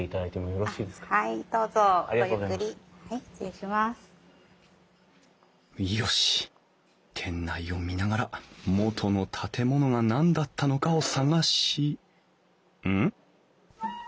よし店内を見ながら元の建物が何だったのかを探しうん？